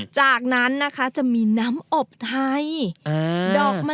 จากนั้นจะมีน้ำอบไทยดอกมะลิ